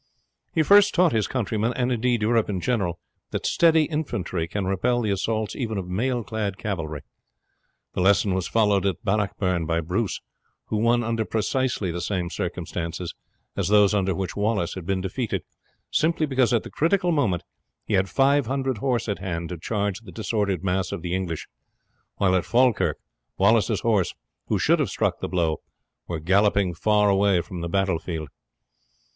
He first taught his countrymen, and indeed Europe in general, that steady infantry can repel the assaults even of mailclad cavalry. The lesson was followed at Bannockburn by Bruce, who won under precisely the same circumstances as those under which Wallace had been defeated, simply because at the critical moment he had 500 horse at hand to charge the disordered mass of the English, while at Falkirk Wallace's horse, who should have struck the blow, were galloping far away from the battlefield.